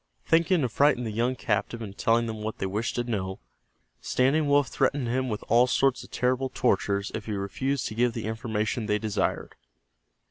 Thinking to frighten the young captive into telling them what they wished to know, Standing Wolf threatened him with all sorts of terrible tortures if he refused to give the information they desired.